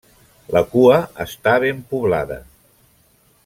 La cua està ben poblada.